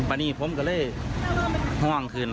อันนี้ผมก็เลยง่วงคืน